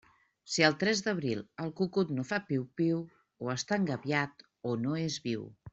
Si al tres d'abril, el cucut no fa piu-piu, o està engabiat o no és viu.